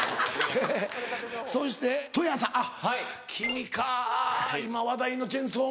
そして戸谷さんあっ君か今話題の『チェンソーマン』。